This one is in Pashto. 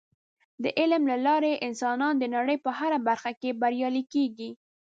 د علم له لارې انسانان د نړۍ په هره برخه کې بریالي کیږي.